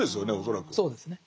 そうですね。